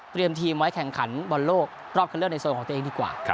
เตรียมทีมไว้แข่งขันบนโลกรอบขันเลือกในส่วนของตัวเองดีกว่า